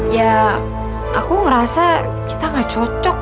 ya aku ngerasa kita gak cocok